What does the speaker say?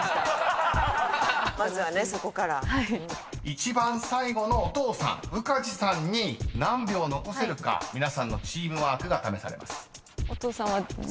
［一番最後のお父さん宇梶さんに何秒残せるか皆さんのチームワークが試されます］